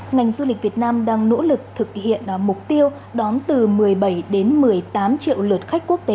ngành du lịch việt nam đang nỗ lực thực hiện mục tiêu đón từ một mươi bảy đến một mươi tám triệu lượt khách quốc tế